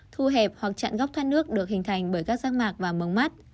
thu hẹp hoặc chặn góc thoát nước được hình thành bởi các rác mạc và mống mắt